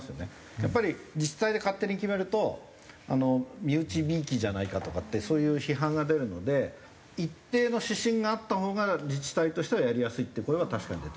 やっぱり自治体で勝手に決めると身内びいきじゃないかとかってそういう批判が出るので一定の指針があったほうが自治体としてはやりやすいっていう声は確かに出てます。